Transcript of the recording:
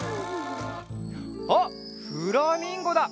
あっフラミンゴだ！